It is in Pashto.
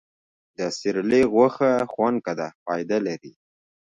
د سیرلي غوښه خونکه ده، فایده لري.